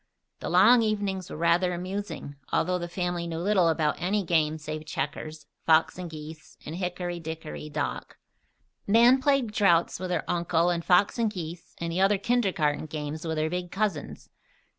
The long evenings were rather amusing, although the family knew little about any game save checkers, "fox and geese," and "hickory, dickory, dock." Nan played draughts with her uncle and fox and geese and the other kindergarten game with her big cousins.